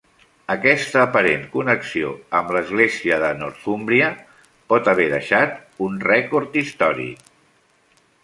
Aquesta aparent connexió amb l'església de Northúmbria pot haver deixat un rècord històric.